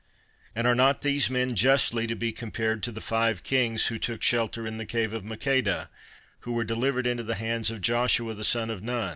and are not these men justly to be compared to the five kings, who took shelter in the cave of Makedah, who were delivered into the hands of Joshua the son of Nun?